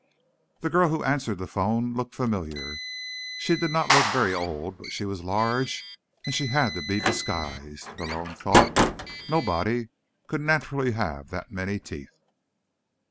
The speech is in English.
The girl who answered the phone looked familiar. She did not look very old, but she was large and she had to be disguised, Malone thought. Nobody could naturally have that many teeth.